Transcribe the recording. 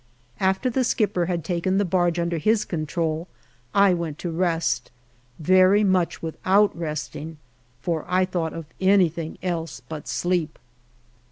After the skipper had taken the barge under his control I went to rest, very much without resting, for I thought of anything else but sleep.